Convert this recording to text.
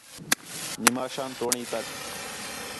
نماشان توڑیں تک